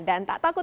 dan tak takut hujan